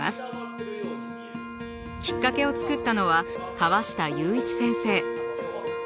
きっかけを作ったのは川下優一先生。